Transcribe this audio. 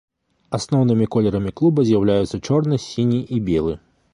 Асноўнымі колерамі клуба з'яўляюцца чорны, сіні і белы.